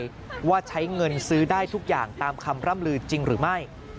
ว่าใช้เงินซื้อได้ทุกอย่างตามคำร่ำลือจริงหรือไม่